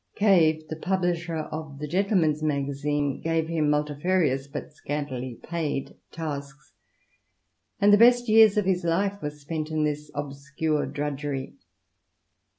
" Cave, the publisher of the GenHemaris Magazine^ gave him multifarious but scantily paid tasks, and the best years of his life were spent in this obscure drudgery.